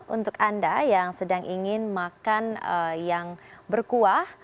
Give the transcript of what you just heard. untuk anda yang sedang ingin makan yang berkuah